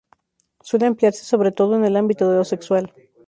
Suele emplearse sobre todo en el ámbito de lo sexual.